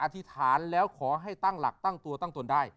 ธิษฐานแล้วขอให้ตั้งหลักตั้งตัวตั้งตนได้